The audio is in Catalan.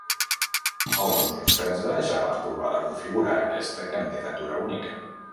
El dos mil setze, ja van provar de configurar aquesta candidatura única.